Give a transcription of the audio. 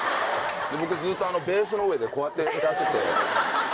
僕ずっとベースの上でこうやってやってて。